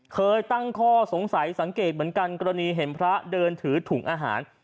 เคยตั้งข้อสงสัยสังเกตเหมือนกันกรณีเห็นพระเดินถือถุงอาหาร